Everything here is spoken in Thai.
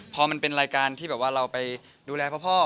พอมันเป็นรายการที่แบบว่าเราไปดูแลพ่อ